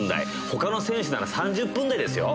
他の選手なら３０分台ですよ。